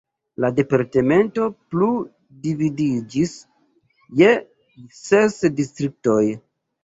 La departemento plu dividiĝis je ses distriktoj.